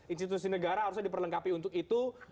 institusi negara harusnya diperlengkapi untuk itu